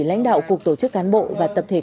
lãnh đạo cục tổ chức cán bộ và tập thể